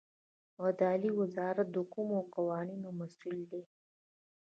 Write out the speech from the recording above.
عدلیې وزارت د کومو قوانینو مسوول دی؟